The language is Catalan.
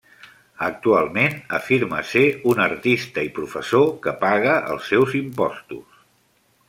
Actualment, afirma ser un artista i professor que paga els seus impostos.